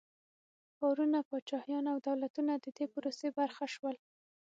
ښارونه، پاچاهيان او دولتونه د دې پروسې برخه شول.